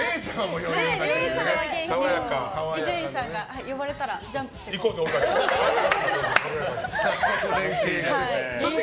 伊集院さんが呼ばれたらジャンプして行こうって。